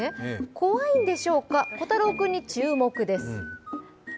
怖いんでしょうか、こたろー君に注目です。